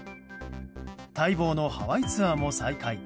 待望のハワイツアーも再開。